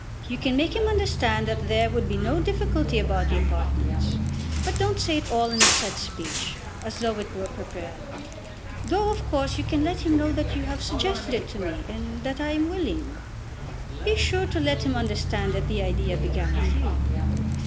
You can make him understand that there would be no difficulty about the apartments. But don't say it all in a set speech, as though it were prepared, though of course you can let him know that you have suggested it to me and that I am willing. Be sure to let him understand that the idea began with you."